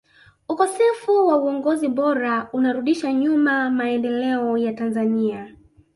ukosefu wa uongozi bora unarudisha nyuma maendeleo ya tanzania